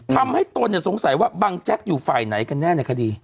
ตนสงสัยว่าบังแจ๊กอยู่ฝ่ายไหนกันแน่ในคดี